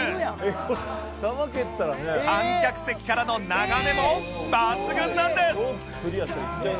観客席からの眺めも抜群なんです！